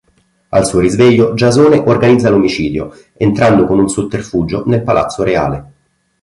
Al suo risveglio, Giasone organizza l'omicidio entrando con un sotterfugio nel palazzo reale.